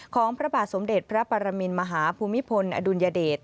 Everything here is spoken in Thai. พระบาทสมเด็จพระปรมินมหาภูมิพลอดุลยเดช